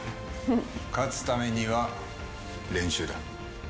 勝つためには練習だ。